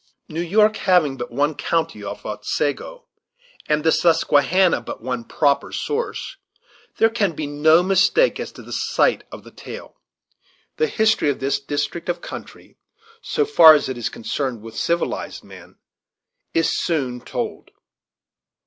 New York having but one county of Otsego, and the Susquehanna but one proper source, there can be no mistake as to the site of the tale. The history of this district of country, so far as it is connected with civilized men, is soon told.